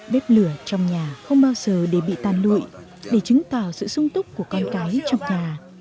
bếp lửa trong nhà không bao giờ để bị tan lụi để chứng tỏ sự sung túc của con cái trong nhà